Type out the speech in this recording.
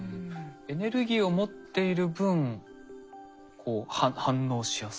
エネルギーを持っている分反応しやすい？